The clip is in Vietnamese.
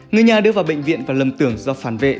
người nhà đưa vào bệnh viện và lầm tưởng do phản vệ